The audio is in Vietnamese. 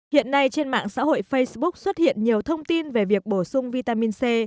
hiện nay trên mạng xã hội facebook xuất hiện nhiều thông tin về việc bổ sung vitamin c